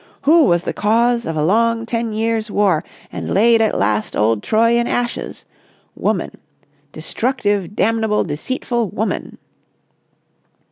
Who was the cause of a long ten years' war and laid at last old Troy in ashes? Woman! Destructive, damnable, deceitful woman!